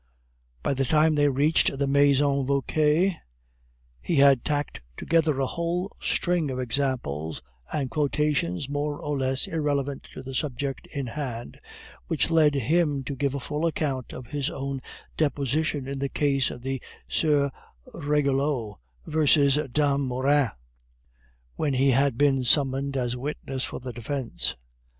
By the time they reached the Maison Vauquer he had tacked together a whole string of examples and quotations more or less irrelevant to the subject in hand, which led him to give a full account of his own deposition in the case of the Sieur Ragoulleau versus Dame Morin, when he had been summoned as a witness for the defence.